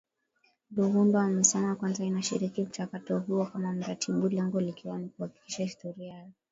Ruhundwa amesema Kwanza inashiriki mchakato huo kama mratibu lengo likiwa ni kuhakikisha historia ya